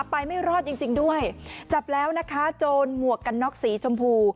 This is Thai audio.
ไปไม่รอดจริงจริงด้วยจับแล้วนะคะโจรหมวกกันน็อกสีชมพู